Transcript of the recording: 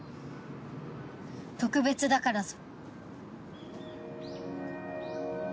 特別だからぞ。